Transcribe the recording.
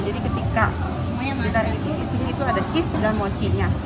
jadi ketika kita mengisi ini itu ada cheese dan mochinya